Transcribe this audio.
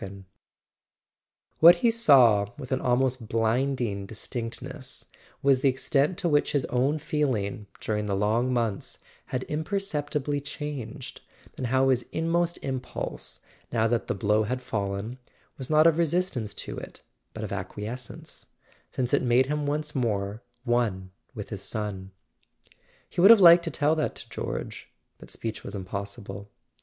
[379 ] A SON AT THE FRONT What he saw, with an almost blinding distinctness, was the extent to which his own feeling, during the long months, had imperceptibly changed, and how his inmost impulse, now that the blow had fallen, was not of resistance to it, but of acquiescence, since it made him once more one with his son. He would have liked to tell that to George; but speech was impossible.